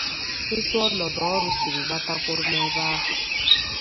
etu ọnọdụ ọrụ siri gbata kwụrụ n'ebe ahụ